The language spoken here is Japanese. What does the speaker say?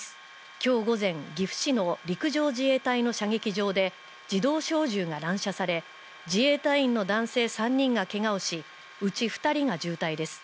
今日午前、岐阜市の陸上自衛隊の射撃場で自動小銃が乱射され自衛隊員の男性３人がけがをし、うち２人が重体です。